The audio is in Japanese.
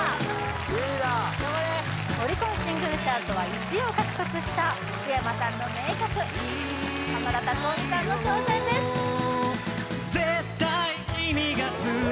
リーダーオリコンシングルチャートは１位を獲得した福山さんの名曲濱田龍臣さんの挑戦ですＯＫ！